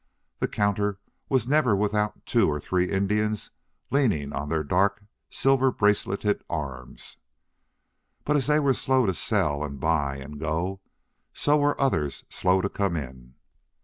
The counter was never without two or three Indians leaning on their dark, silver braceleted arms. But as they were slow to sell and buy and go, so were others slow to come in.